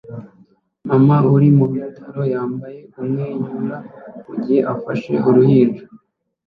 Mama uri mu bitaro yambaye umwenyura mugihe afashe uruhinja